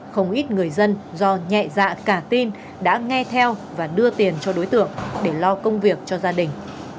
không ít người dân do nhẹ dạ cả tin đã nghe theo và đưa tiền cho đối tượng để lo công việc cho gia đình